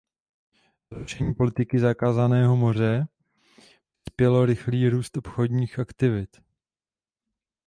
Zrušení politiky zakázaného moře přineslo rychlý růst obchodních aktivit.